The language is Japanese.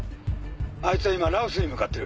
あいつは今羅臼に向かってる。